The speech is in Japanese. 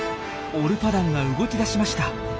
オルパダンが動き出しました。